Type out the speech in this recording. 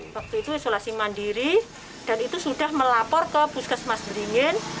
waktu itu isolasi mandiri dan itu sudah melapor ke puskesmas beringin